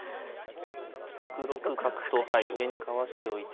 ６六角と上にかわしておいて。